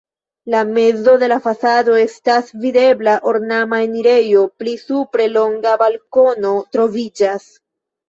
En mezo de la fasado estas videbla ornama enirejo, pli supre longa balkono troviĝas.